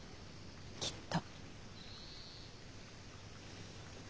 きっと。